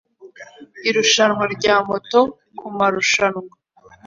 Irushanwa rya moto kumarushanwa